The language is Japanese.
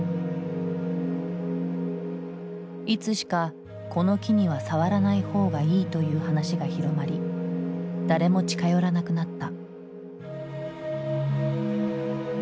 いつしかこの木には触らないほうがいいという話が広まり誰も近寄らなくなった。